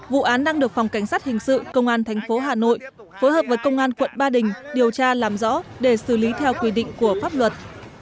vụ án đang được phòng cảnh sát hình sự công an tp hà nội phối hợp với công an quận ba đình điều tra làm rõ để xử lý theo quy định của pháp luật